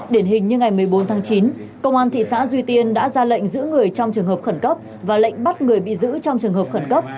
điển hình như ngày một mươi bốn tháng chín công an thị xã duy tiên đã ra lệnh giữ người trong trường hợp khẩn cấp và lệnh bắt người bị giữ trong trường hợp khẩn cấp